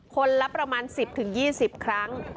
คนละประมาณ๑๐๒๐ครั้ง